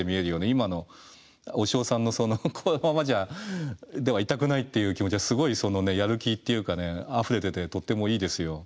今のおしおさんのそのこのままではいたくないっていう気持ちがすごいそのやる気っていうかねあふれててとってもいいですよ。